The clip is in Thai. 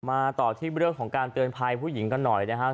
มาต่อที่เรื่องของการเตือนภัยผู้หญิงกันหน่อยนะครับ